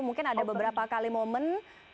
mungkin ada beberapa kali momen